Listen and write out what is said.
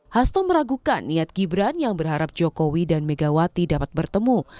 hasto meragukan niat gibran yang berharap jokowi dan megawati dapat bertemu